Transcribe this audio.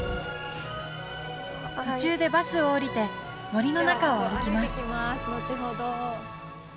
途中でバスを降りて森の中を歩きます